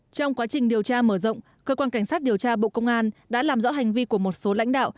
trong quá trình điều tra mở rộng cơ quan cảnh sát điều tra bộ công an đã làm rõ hành vi của một số lãnh đạo